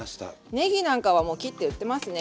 ねぎなんかはもう切って売ってますね。